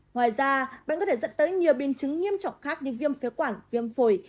ngoài ra bệnh có thể dẫn tới nhiều biến chứng nghiêm trọng khác như viêm phế quản viêm phổi